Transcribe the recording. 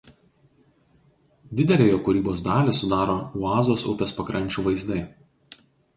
Didelę jo kūrybos dalį sudaro Uazos upės pakrančių vaizdai.